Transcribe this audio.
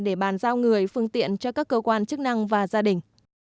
để bàn giao người phương tiện cho các cơ quan chức năng và gia đình